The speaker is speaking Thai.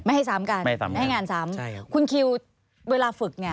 ไม่ให้ซ้ำกัน